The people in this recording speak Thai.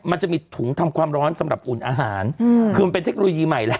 มันจะมีถุงทำความร้อนสำหรับอุ่นอาหารคือมันเป็นเทคโนโลยีใหม่แหละ